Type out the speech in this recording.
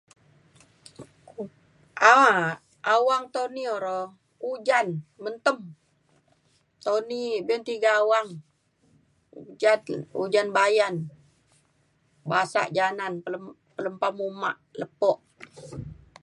um awang Tony o'ro ujan mentem Tony be'un tiga awang ujan ujan bayan basa janan pelempam uma' lepo